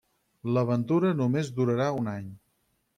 L'aventura només durarà un any.